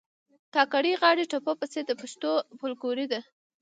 کاکړۍ غاړي ټپو په څېر د پښتو فولکور دي